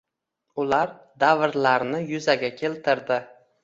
Ular davrlarni yuzaga keltirdi